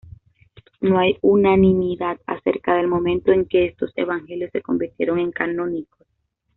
No hay unanimidad acerca del momento en que estos evangelios se convirtieron en canónicos.